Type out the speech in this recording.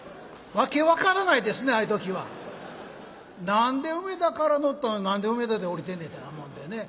何で梅田から乗ったのに何で梅田で降りてんねんって思ってね。